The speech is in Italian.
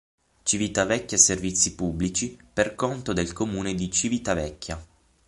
Civitavecchia Servizi Pubblici, per conto del Comune di Civitavecchia.